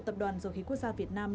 tập đoàn dầu khí quốc gia việt nam